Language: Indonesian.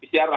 pcr dan pcr